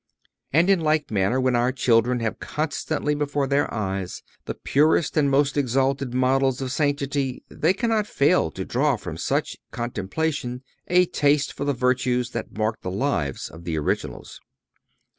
And in like manner, when our children have constantly before their eyes the purest and most exalted models of sanctity, they cannot fail to draw from such contemplation a taste for the virtues that marked the lives of the originals.